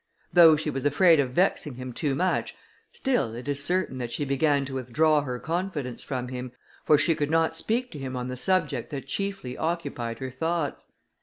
Though she was afraid of vexing him too much, still it is certain that she began to withdraw her confidence from him, for she could not speak to him on the subject that chiefly occupied her thoughts.